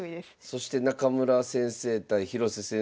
そして中村先生対広瀬先生。